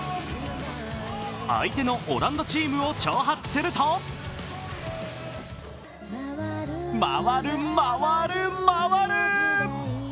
相手のオランダチームを挑発すると回る、回る、回る！